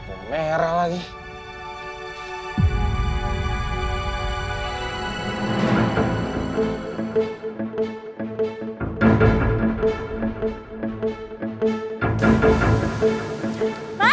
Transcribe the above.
atau enggak lah